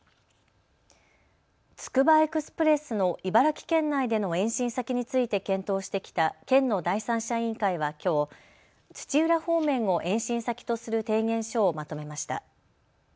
つくばエクスプレスの茨城県内での延伸先について検討してきた県の第三者委員会はきょう、土浦方面を延伸先とする提言書をまとめました。